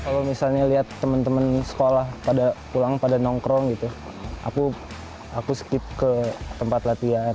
kalau misalnya lihat teman teman sekolah pada pulang pada nongkrong gitu aku skip ke tempat latihan